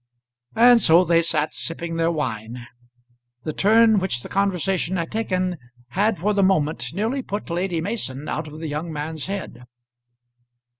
And so they sat sipping their wine. The turn which the conversation had taken had for the moment nearly put Lady Mason out of the young man's head.